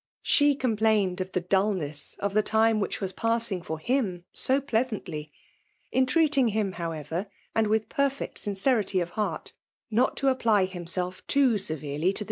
She complained of the dulness of the time which was passing for kim so pleasantly, in« treating him, however, and with perfect sin cerity of heart, not to apply himself ^oo severely 28eL Fj9iAxe.